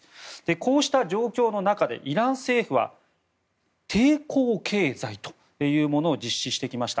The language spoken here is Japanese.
こうした状況の中でイラン政府は抵抗経済というものを実施してきました。